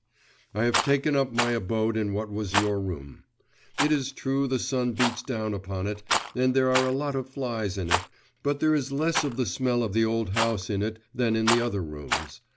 I have taken up my abode in what was your room. It is true the sun beats down upon it, and there are a lot of flies in it; but there is less of the smell of the old house in it than in the other rooms.